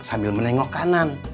sambil menengok kanan